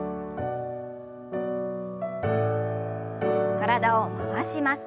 体を回します。